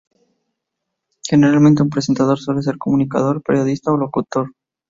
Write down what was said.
Generalmente, un presentador suele ser comunicador, periodista o locutor.